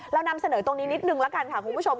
เรานำเสนอตรงนี้นิดหนึ่งแล้วกันคุณผู้ชม